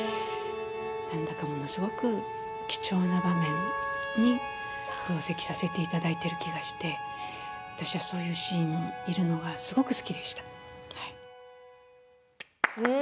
なんだかものすごく貴重な場面に同席させていただいている気がして、私はそういうシーンいるのがすごく好きでした。